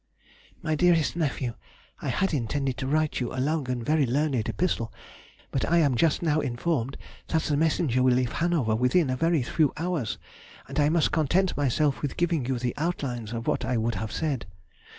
MY DEAREST NEPHEW,— I had intended to write you a long and very learned epistle, but I am just now informed that the messenger will leave Hanover within a very few hours, and I must content myself with giving you the outlines of what I would have said.